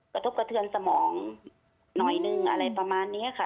กระทบกระเทือนสมองหน่อยนึงอะไรประมาณนี้ค่ะ